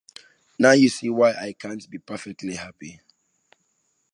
Now you see why I can’t be perfectly happy.